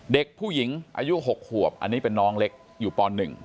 เด็กผู้หญิงอายุ๖ขวบอันนี้เป็นน้องเล็กอยู่ป๑